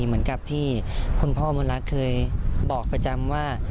เหมือนกับที่คนพ่อมนต์รักเคยบอกประจำว่า